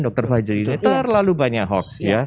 dr fajri terlalu banyak hoax ya